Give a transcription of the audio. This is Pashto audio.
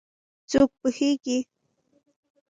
څوک پوهیږېي